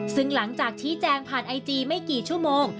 ซึ่งหลังจากชี้แจงผ่านไอจีไม่กี่ชั่วโมง